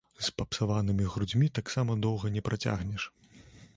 З папсаванымі грудзьмі таксама доўга не пацягнеш.